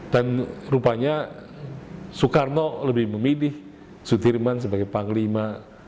dan rupanya soekarno lebih memilih sudirman sebagai panglima